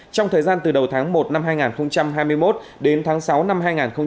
trong thời gian từ đầu tháng một năm hai nghìn hai mươi một đến tháng sáu năm hai nghìn hai mươi ba